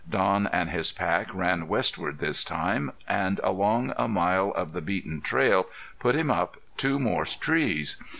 Don and his pack ran westward this time, and along a mile of the beaten trail put him up two more trees.